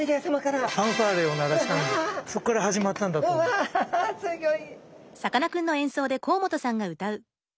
うわすギョい。